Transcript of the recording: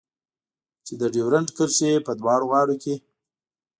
چې د ډيورنډ کرښې په دواړو غاړو کې.